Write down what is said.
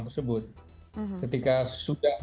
tersebut ketika sudah